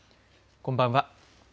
こんばんは。